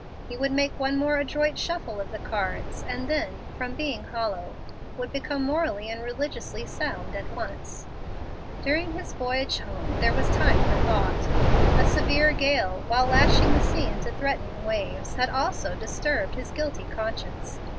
He would make one more adroit shuffle of the cards, and then, from being hollow, would become morally and religiously sound at once. During his voyage home, there was time for thought. A severe gale, while lashing the sea into threatening waves, had also disturbed his guilty conscience.